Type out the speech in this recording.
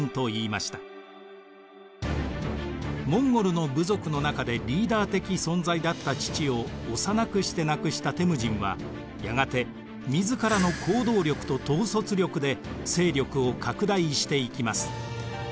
モンゴルの部族の中でリーダー的存在だった父を幼くして亡くしたテムジンはやがて自らの行動力と統率力で勢力を拡大していきます。